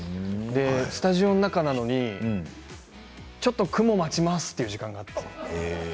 スタジオの中なのにちょっと雲を待ちますという時間があるんです。